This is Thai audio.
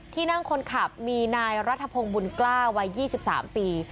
ที่นั่งคนขับมีนายรัฐพงศ์บุญกล้าวัย๒๓ปี